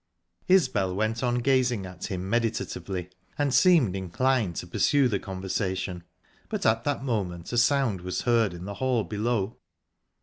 Isbel went on gazing at him meditatively, and seemed inclined to pursue the conversation, but at that moment a sound was heard in the hall below.